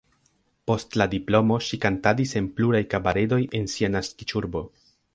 Post la diplomo ŝi kantadis en pluraj kabaredoj en sia naskiĝurbo.